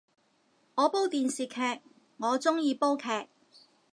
我煲電視劇，我鍾意煲劇